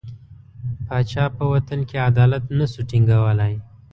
پاچا په وطن کې عدالت نه شو ټینګولای.